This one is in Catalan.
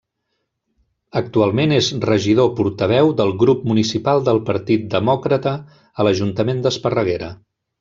Actualment és regidor portaveu del Grup Municipal del Partit Demòcrata a l'Ajuntament d'Esparreguera.